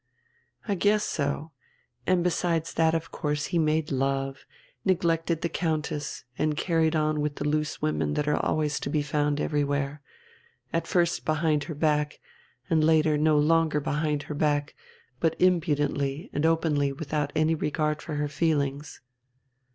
"I guess so. And besides that of course he made love, neglected the Countess and carried on with the loose women that are always to be found everywhere at first behind her back, and later no longer behind her back but impudently and openly without any regard for her feelings."